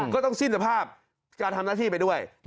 ก็ต้องสิ้นสภาพการทำหน้าที่ไปด้วย